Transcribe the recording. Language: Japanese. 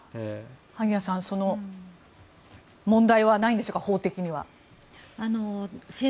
萩谷さん問題はないんでしょうか法的には。